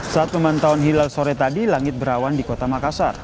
saat pemantauan hilal sore tadi langit berawan di kota makassar